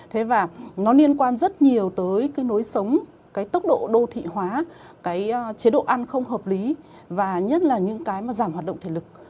thế và nó liên quan rất nhiều tới cái nối sống cái tốc độ đô thị hóa cái chế độ ăn không hợp lý và nhất là những cái mà giảm hoạt động thể lực